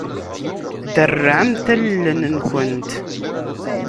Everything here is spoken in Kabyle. Derrɛemt allen-nkent.